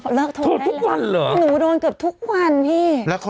เพราะเลิกโทรได้แล้วหนูโดนเกือบทุกวันพี่โทรทุกวันเหรอ